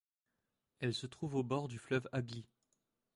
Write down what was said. Elle se trouve au bord du fleuve Agly.